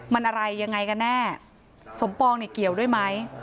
มันอะไรยังไงกันแน่สมปองเนี่ยเกี่ยวด้วยไหม